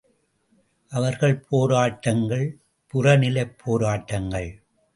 அவர்கள் போராட்டங்கள் புறநிலைப் போராட்டங்கள்.